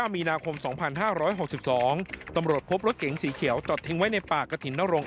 มีนาคม๒๕๖๒ตำรวจพบรถเก๋งสีเขียวจอดทิ้งไว้ในป่ากระถิ่นนรงค